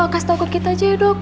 kasih tau ke kita aja ya dok